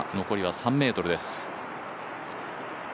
残りは３ｍです。